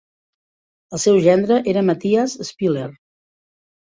El seu gendre era Mathias Spieler.